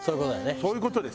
そういう事です。